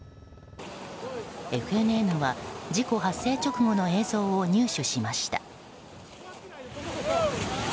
ＦＮＮは事故発生直後の映像を入手しました。